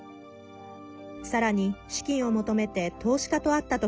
さらに、資金を求めて投資家と会った時